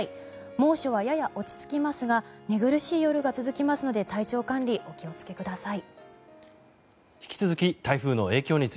猛暑はやや落ち着きますが寝苦しい夜が続きますので体調管理、お気をつけください。